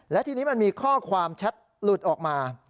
และทีนี้มันมีข้อความแชทหลุดออกมา